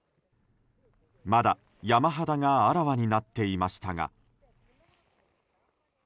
まだ山肌があらわになっていましたが。